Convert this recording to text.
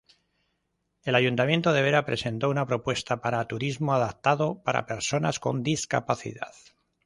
El Ayuntamiento de Vera presentó una propuesta de turismo adaptado para personas con discapacidad.